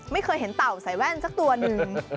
ไม่เคยเห็นเต่าใส่แว่นสักตัวหนึ่ง